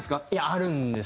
あるんですよ。